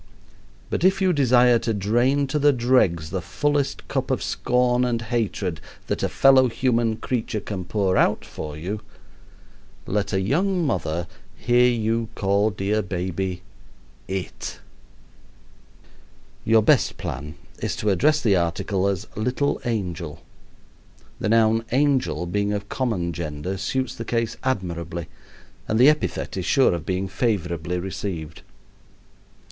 But if you desire to drain to the dregs the fullest cup of scorn and hatred that a fellow human creature can pour out for you, let a young mother hear you call dear baby "it." Your best plan is to address the article as "little angel." The noun "angel" being of common gender suits the case admirably, and the epithet is sure of being favorably received.